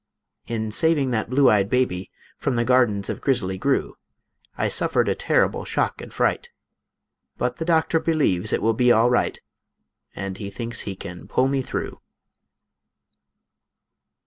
In saving that blue eyed baby From the gardens of Grizzly Gru, I suffered a terrible shock and fright; But the doctor believes it will be all right, And he thinks he can pull me through.